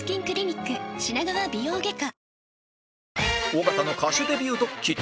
尾形の歌手デビュードッキリ